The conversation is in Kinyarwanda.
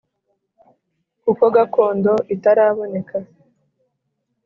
Kuko gakondo itaraboneka.